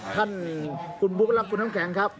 ท่านคุณบุ๊คและคุณน้ำแข็งครับ